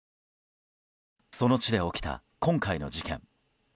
その地で起きた今回の事件。